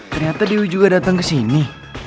ternyata dewi juga datang kesini